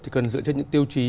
thì cần dựa trên những tiêu chí